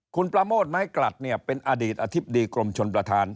คุณประโมทไม้กลัดเนี่ยเป็นอดีตอธิบดีกรมชนประธาน